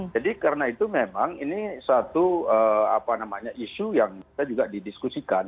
jadi karena itu memang ini satu apa namanya isu yang bisa juga didiskusikan